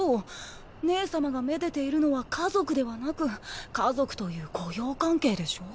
姉様がめでているのは家族ではなく家族という雇用関係でしょ？